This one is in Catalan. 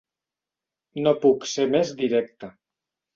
No puc ser més directe.